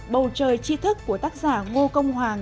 bầu trời chi thức của tác giả ngô công hoàng